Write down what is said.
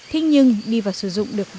thích nhưng đi vào sử dụng được không